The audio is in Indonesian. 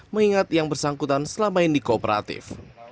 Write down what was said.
mengingat yang bersangkutan selama ini kooperatif